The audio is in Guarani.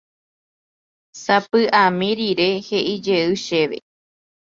Sapy'ami rire he'ijey chéve.